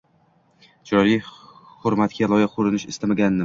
Chiroyli, hurmatga loyiq koʻrinish istagidaman